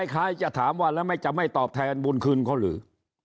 คล้ายจะถามว่าแล้วจะไม่ตอบแทนบุญคืนเขาหรือ